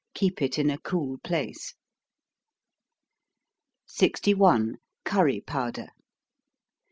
Keep it in a cool place. 61. _Curry Powder.